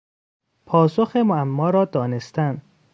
پاسخ معما را دانستن